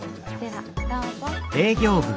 ではどうぞ。